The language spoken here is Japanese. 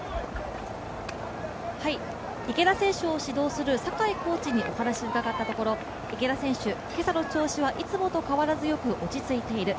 池田選手を指導する酒井コーチにお話を伺ったところ池田選手、今朝の調子はいつもと変わらずよく落ち着いている。